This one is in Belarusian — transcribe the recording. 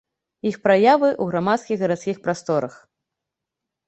Іх праявы ў грамадскіх гарадскіх прасторах.